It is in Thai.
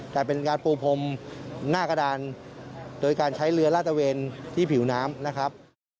แต่เป็นการปูพรมหน้ากระดานโดยการใช้เรือลาดตะเวนที่ผิวน้ำนะครับ